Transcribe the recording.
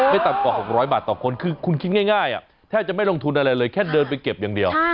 ต่ำกว่า๖๐๐บาทต่อคนคือคุณคิดง่ายแทบจะไม่ลงทุนอะไรเลยแค่เดินไปเก็บอย่างเดียว